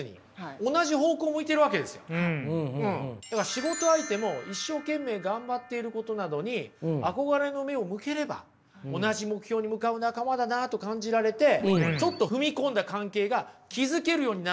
仕事相手も一生懸命頑張っていることなのに憧れの目を向ければ同じ目標に向かう仲間だなと感じられてちょっと踏み込んだ関係が築けるようになるんじゃないでしょうか。